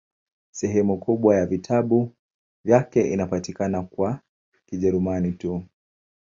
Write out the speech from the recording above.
Sehemu kubwa ya vitabu vyake inapatikana kwa Kijerumani tu.